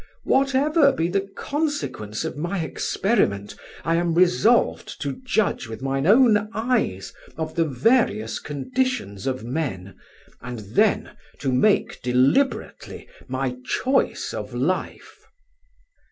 Whatever be the consequence of my experiment, I am resolved to judge with mine own eyes of the various conditions of men, and then to make deliberately my choice of life."